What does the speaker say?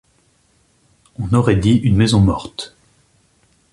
On aurait dit une maison morte.